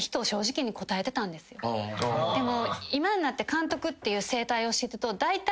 でも今になって監督っていう生態を知るとだいたい。